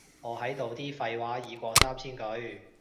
我喺度啲廢話已過三千句